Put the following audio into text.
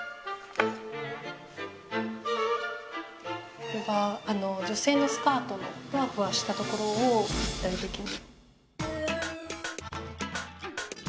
これが女性のスカートのふわふわしたところを立体てきに。